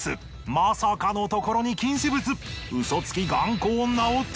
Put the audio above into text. まさかのところに禁止物。